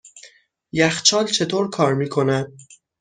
یخچال چطور کار میکند؟